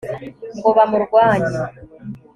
ngo bamurwanye